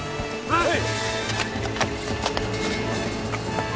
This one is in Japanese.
はい！